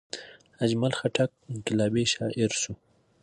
اجمل خټک انقلابي شاعر شو.